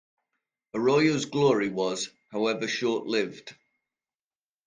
Arroyo's glory was, however, short-lived.